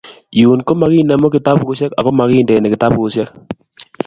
Yun komakinemu kitabusheck ako makindeni kitabusheck